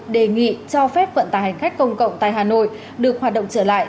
đề nghị cho phép vận tải hành khách công cộng tại hà nội được hoạt động trở lại